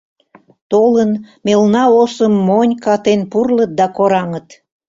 Толын, мелна осым монь катен пурлыт да кораҥыт.